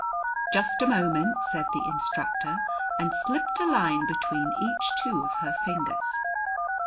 "Just a moment!" said the instructor, and slipped a line between each two of her fingers.